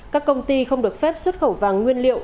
các công ty không được phép xuất khẩu vàng nguyên liệu